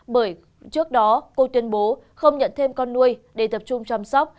bởi trước đó cô tuyên bố không nhận thêm con nuôi để tập trung chăm sóc